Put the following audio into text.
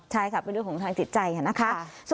ใช่ค่ะเป็นด้วยของทางติดใจค่ะนะคะ